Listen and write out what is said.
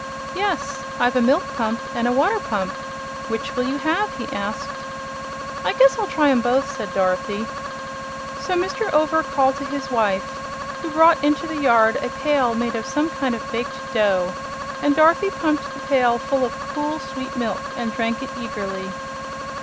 "Yes; I've a milk pump and a water pump; which will you have?" he asked. "I guess I'll try 'em both," said Dorothy. So Mr. Over called to his wife, who brought into the yard a pail made of some kind of baked dough, and Dorothy pumped the pail full of cool, sweet milk and drank it eagerly.